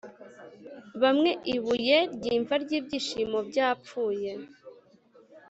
bamwe ibuye ryimva ryibyishimo byapfuye,